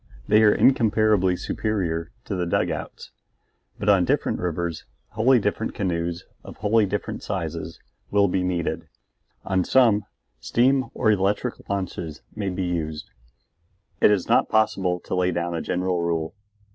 They are incomparably superior to the dugouts. But on different rivers wholly different canoes, of wholly different sizes, will be needed; on some steam or electric launches may be used; it is not possible to lay down a general rule.